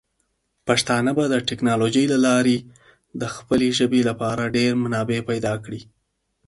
پښتانه به د ټیکنالوجۍ له لارې د خپلې ژبې لپاره ډیر منابع پیدا کړي.